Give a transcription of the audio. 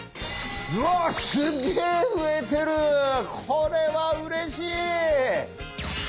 これはうれしい。